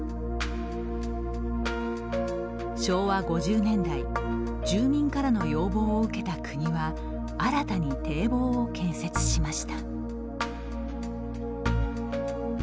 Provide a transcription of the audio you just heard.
昭和５０年代住民からの要望を受けた国は新たに堤防を建設しました。